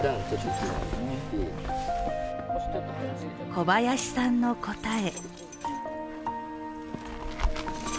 小林さんの答え。